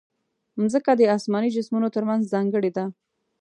مځکه د اسماني جسمونو ترمنځ ځانګړې ده.